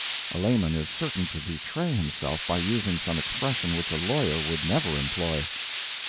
A layman is certain to betray himself by using some expression which a lawyer would never employ.